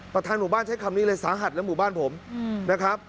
หมู่บ้านใช้คำนี้เลยสาหัสนะหมู่บ้านผมนะครับ